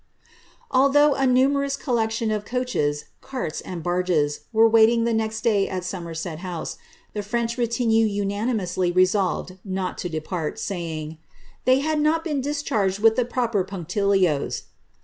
Although a numerous collection of coaches, carts, and barges, were waiting the next day at Somerset House, the French retinae unanimously resolved not to depart, saying, ^ they had not been dischar|;ed with the proper punctilios."